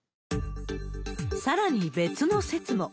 さらに別の説も。